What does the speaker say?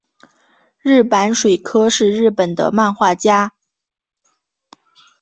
日坂水柯是日本的漫画家。